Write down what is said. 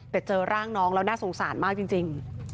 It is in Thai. แต่เจอร่างน้องแล้วน่าสงสารมากจริง